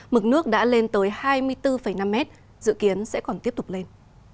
mực nước đã lên tới hai mươi bốn năm mét dự kiến sẽ còn tiếp tục lên